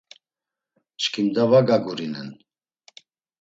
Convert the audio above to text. Çkimda va gagurinen.